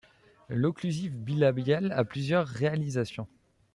L'occlusive bilabiale a plusieurs réalisations.